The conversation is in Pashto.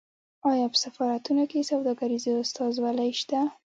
آیا په سفارتونو کې سوداګریزې استازولۍ شته؟